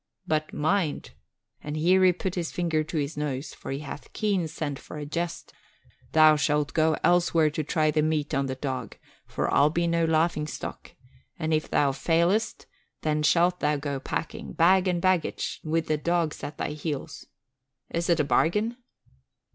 But mind,' and here he put his finger to his nose, for he hath keen scent for a jest, 'thou shalt go elsewhere to try the meat on the dog, for I'll be no laughingstock; and if thou fail'st then shalt thou go packing, bag and baggage, with the dogs at thy heels. Is 't a bargain?'